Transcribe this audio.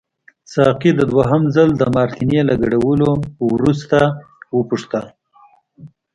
ساقي د دوهم ځلي د مارټیني له ګډولو وروسته وپوښتل.